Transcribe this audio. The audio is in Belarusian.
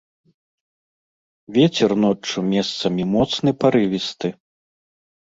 Вецер ноччу месцамі моцны парывісты.